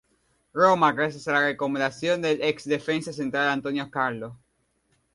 Roma gracias a la recomendación del ex defensa central Antonio Carlos.